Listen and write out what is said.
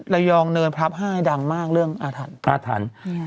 ระยองเนินพระห้าให้ดังมากเรื่องอาถรรพ์